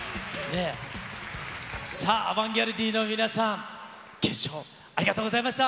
さあ、アバンギャルディの皆さん、決勝、ありがとうございました。